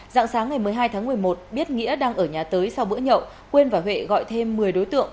dạng sáng ngày một mươi hai tháng một mươi một biết nghĩa đang ở nhà tới sau bữa nhậu quyên và huệ gọi thêm một mươi đối tượng